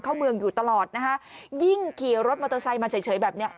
เข้าเมืองอยู่ตลอดนะฮะยิ่งขี่รถมอเตอร์ไซค์มาเฉยเฉยแบบเนี้ย